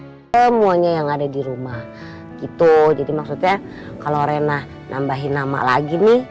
semuanya yang ada di rumah gitu jadi maksudnya kalau renah nambahin nama lagi nih